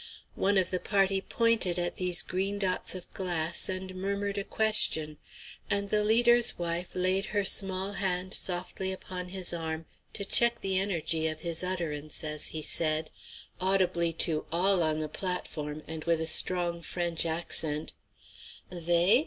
One of the party pointed at these green dots of glass and murmured a question, and the leader's wife laid her small hand softly upon his arm to check the energy of his utterance as he said, audibly to all on the platform, and with a strong French accent: "They?